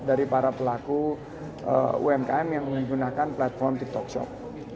dari para pelaku umkm yang menggunakan platform tiktok shop